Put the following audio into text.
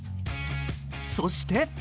そして。